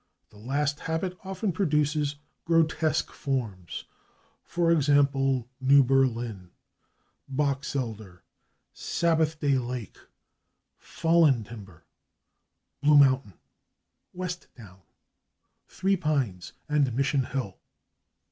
The last habit often produces grotesque forms, /e. g./, /Newberlin/, /Boxelder/, /Sabbathday lake/, /Fallentimber/, /Bluemountain/, /Westtown/, /Threepines/ and /Missionhill